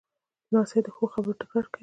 لمسی د ښو خبرو تکرار کوي.